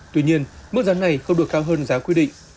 tuy nhiên mức giá này không được cao hơn giá quy định